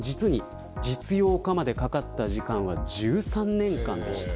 実用化までにかかった時間は１３年間でした。